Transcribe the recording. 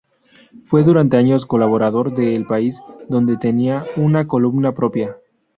Fue durante años colaborador de El País, donde tenía una columna propia.